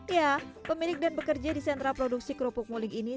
ya pemilik dan pekerja di sentra produksi kerupuk muling ini